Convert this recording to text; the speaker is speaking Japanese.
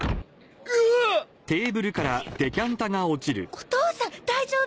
お父さん大丈夫！？